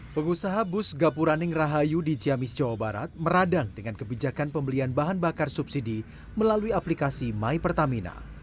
pengusaha bus gapuraning rahayu di ciamis jawa barat meradang dengan kebijakan pembelian bahan bakar subsidi melalui aplikasi my pertamina